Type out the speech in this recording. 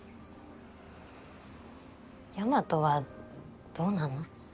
大和はどうなの？